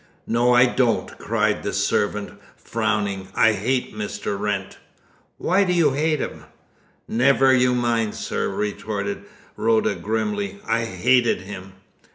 "No, I don't!" cried the servant, frowning. "I hated Mr. Wrent!" "Why did you hate him?" "Never you mind, sir," retorted Rhoda grimly. "I hated him."